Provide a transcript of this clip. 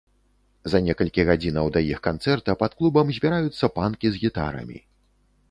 За некалькі гадзінаў да іх канцэрта пад клубам збіраюцца панкі з гітарамі.